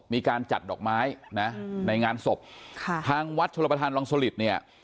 มีการจัดดอกไม้นะในงานศพค่ะทางวัดชลประธานรังสลิตเนี่ย